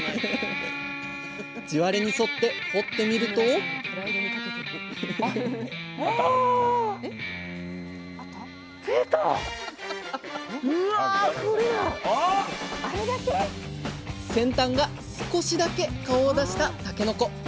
地割れに沿って掘ってみるとあれだけ⁉先端が少しだけ顔を出したたけのこ。